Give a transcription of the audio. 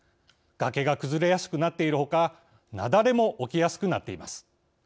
崖が崩れやすくなっているほか雪崩も起きやすくなっています。